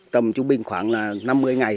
tầm chung bình khoảng năm mươi ngày